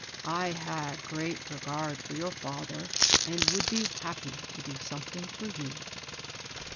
I had great re gard for your &ther, and would be happy to do^ something for you."